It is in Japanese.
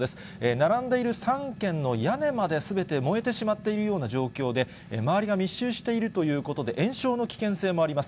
並んでいる３軒の屋根まですべて燃えてしまっているような状況で、周りが密集しているということで、延焼の危険性もあります。